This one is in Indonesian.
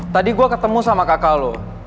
tadi gue ketemu sama kakak lu